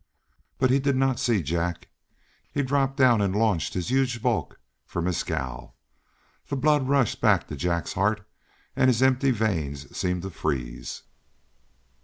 But he did not see Jack. He dropped down and launched his huge bulk for Mescal. The blood rushed back to Jack's heart, and his empty veins seemed to freeze.